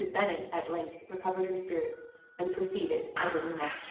Bennet, at length, recovered her spirits, and proceeded, as in the next chapter.